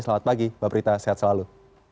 selamat pagi mbak prita sehat selalu